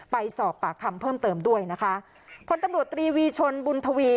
ไปสอบปากคำเพิ่มเติมด้วยนะคะพลตำรวจตรีวีชนบุญทวี